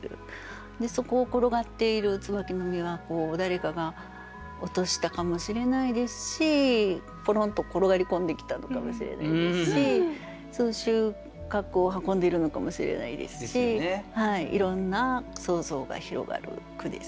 そこを転がっている椿の実が誰かが落としたかもしれないですしぽろんと転がり込んできたのかもしれないですし収穫を運んでいるのかもしれないですしいろんな想像が広がる句です。